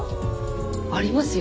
ありますよ